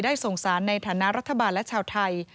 ส่งสารในฐานะรัฐบาลและชาวไทย